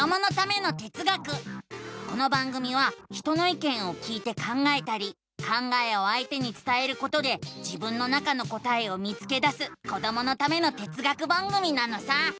この番組は人のいけんを聞いて考えたり考えをあいてにつたえることで自分の中の答えを見つけだすこどものための哲学番組なのさ！